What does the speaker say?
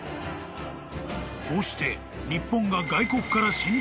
［こうして日本が］